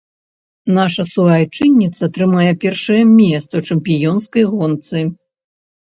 Наша суайчынніца трымае першае месца ў чэмпіёнскай гонцы.